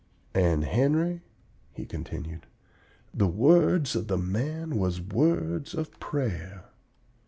"And, Henry," he continued, "the words of the man was words of prayer.